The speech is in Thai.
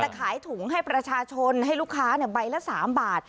ขายถุงให้ประชาชนให้ลูกค้าใบละ๓บาท